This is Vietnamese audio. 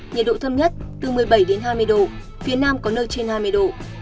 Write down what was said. nhiệt độ thâm nhất từ một mươi bảy hai mươi độ phía nam có nơi trên hai mươi độ